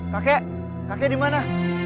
kakek kakek dimana